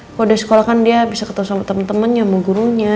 kalau udah sekolah kan dia bisa ketau sama temen temennya sama gurunya